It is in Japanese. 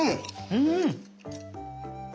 うん！